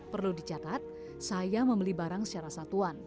sebelumnya saya membeli barang secara satuan